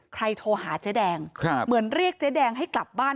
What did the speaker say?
โทรหาเจ๊แดงเหมือนเรียกเจ๊แดงให้กลับบ้าน